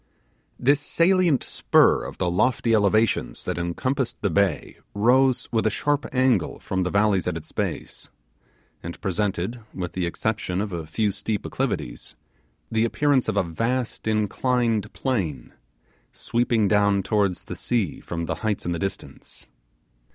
This salient spur of the lofty elevations that encompassed the bay rose with a sharp angle from the valleys at its base, and presented, with the exception of a few steep acclivities, the appearance of a vast inclined plane, sweeping down towards the sea from the heights in the distance.